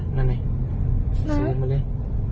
นั่นไงสูงมันเลย